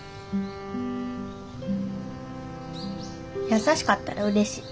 優しかったらうれしい。